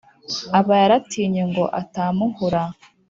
Aba yaratinye ngo atampuhura.